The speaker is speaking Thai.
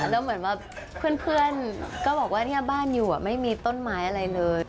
แล้วเหมือนว่าเพื่อนก็บอกว่าเนี่ยบ้านอยู่ไม่มีต้นไม้อะไรเลย